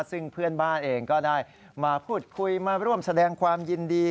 ซึ่งเพื่อนบ้านเองก็ได้มาพูดคุยมาร่วมแสดงความยินดี